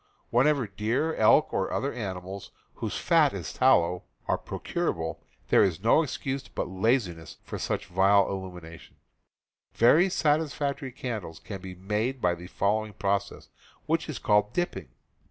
Wherever deer, elk, or other animals whose fat is tallow, are procurable, there is no excuse but laziness Candles ^^^^^^^^^^^ illumination. Very satis factory candles can be made by the following process, which is called "dipping."